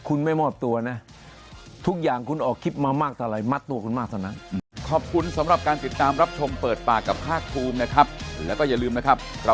คุณไม่อบตัวนะทุกอย่างคุณออกคลิปมามากเท่าไหร่